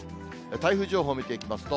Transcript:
台風情報見ていきますと。